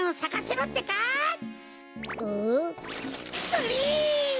それ！